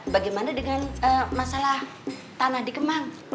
bagaimana dengan masalah tanah di kemang